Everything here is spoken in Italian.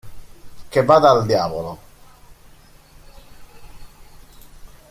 Che vada al diavolo.